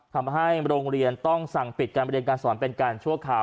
ทำให้โรงเรียนต้องสั่งปิดการเรียนการสอนเป็นการชั่วคราว